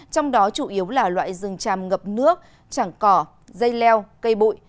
trong đó chủ yếu là loại rừng tràm ngập nước trảng cỏ dây leo cây bụi